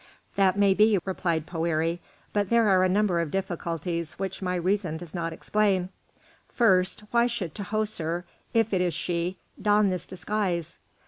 "That may be," replied Poëri, "but there are a number of difficulties which my reason does not explain. First, why should Tahoser, if it is she, don this disguise?